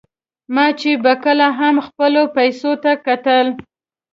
ما چې به کله هم خپلو پیسو ته کتل.